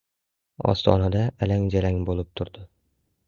Ostonada alang-jalang bo‘lib turdi.